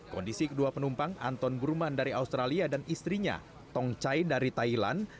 kondisi kedua penumpang anton burman dari australia dan istrinya tong chai dari thailand